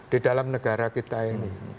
di dalam negara kita ini